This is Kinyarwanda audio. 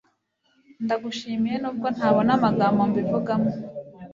ndagushimiye nubwo ntabona amagambo mbivugamo